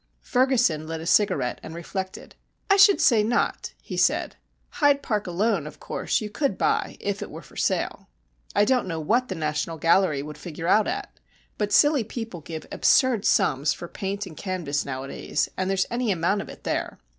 Ferguson lit a cigarette and reflected. "I should say not," he said. "Hyde Park alone, of course, you could buy, if it were for sale. I don't know what the National Gallery would figure out at, but silly people give absurd sums for paint and canvas nowadays, and there's any amount of it there.